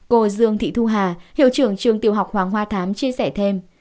cô dương thị thu hà hiệu trưởng trường tiểu học hoàng hoa thám chia sẻ thêm